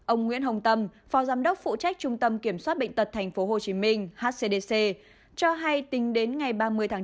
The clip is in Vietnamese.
ông nguyễn hồng tâm phò giám đốc phụ trách trung tâm kiểm soát bệnh tật tp hcm cho hay tính đến ngày ba mươi tháng chín